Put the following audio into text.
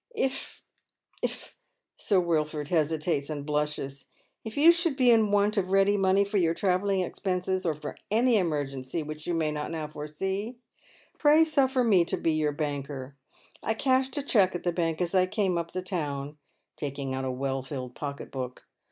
If — if " here Sir Wilford hesitates and blushes —" if you should be in want of ready money for your travelling expenses, or for any emergency which you may not now foresee, pray suffer me to be your banker. I cashed a cheque at tha bank as I came up the town," taking out a well filled pocket book.